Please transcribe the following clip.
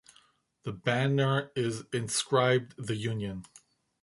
The banner is inscribed "The Union".